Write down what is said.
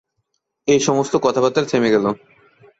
একসময় সমস্ত কথাবার্তা থেমে গেল।